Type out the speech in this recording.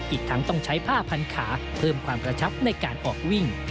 อีกทั้งต้องใช้ผ้าพันขาเพิ่มความกระชับในการออกวิ่ง